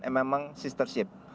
memang sister ship